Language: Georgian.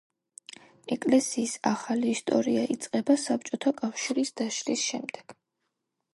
ეკლესიის ახალი ისტორია იწყება საბჭოთა კავშირის დაშლის შემდეგ.